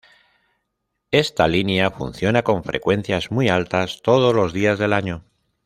Esta línea funciona con frecuencias muy altas, todos los días del año.